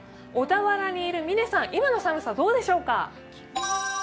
小田原にいる嶺さん、今の寒さどうでしょうか？